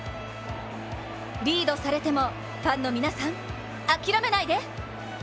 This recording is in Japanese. リードされてもファンの皆さん、諦めないで！